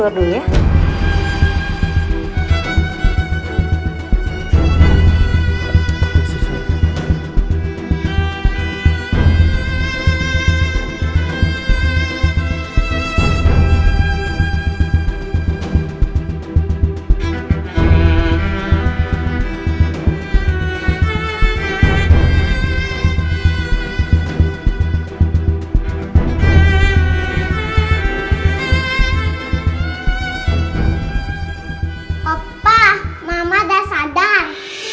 alhamdulillah anak udah sadar